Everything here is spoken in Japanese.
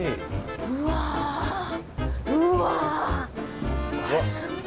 うわうわ！